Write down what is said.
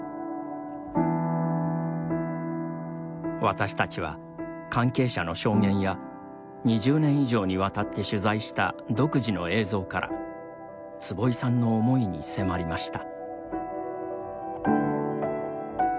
私たちは関係者の証言や２０年以上にわたって取材した独自の映像から坪井さんの思いに迫りました。